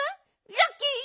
ラッキー！